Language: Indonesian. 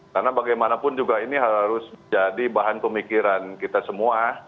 karena bagaimanapun juga ini harus jadi bahan pemikiran kita semua